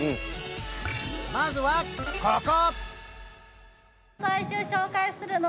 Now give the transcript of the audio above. まずはここ！